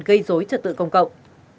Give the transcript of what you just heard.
gây dối trật tự công cộng